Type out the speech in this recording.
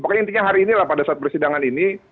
pokoknya intinya hari inilah pada saat persidangan ini